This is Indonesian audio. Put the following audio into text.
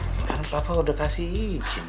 sekarang papa udah kasih izin